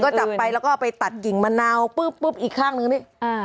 มึงก็จับไปแล้วก็ไปตัดหญิงมะนาวปุ๊บอีกข้างหนึ่ง